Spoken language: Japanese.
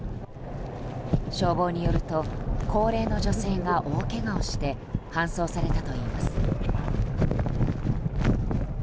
消防によると高齢の女性が大けがをして搬送されたといいます。